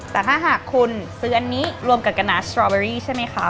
แต่ถ้าหากคุณซื้ออันนี้รวมกับกะนาสตรอเบอรี่ใช่ไหมคะ